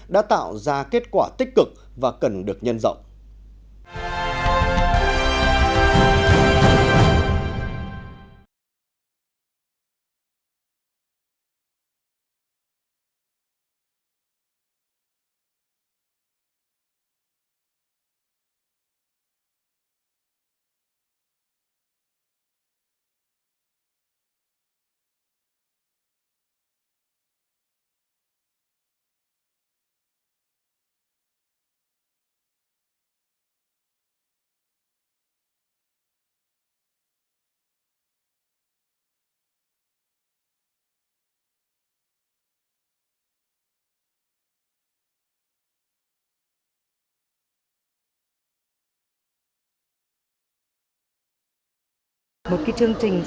đã tạo ra kết quả tích cực và cần được nhân rộng